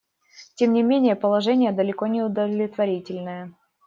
Тем не менее положение далеко не удовлетворительное.